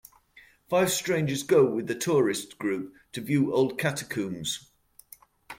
Five strangers go with a tourist group to view old catacombs.